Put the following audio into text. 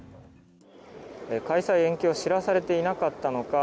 開催延期を知らされていなかったのか